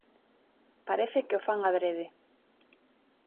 Parece que o fan adrede.